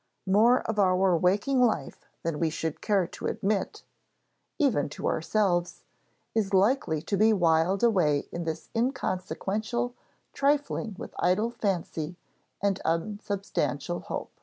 More of our waking life than we should care to admit, even to ourselves, is likely to be whiled away in this inconsequential trifling with idle fancy and unsubstantial hope.